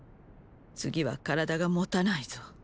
次は体がもたないぞ。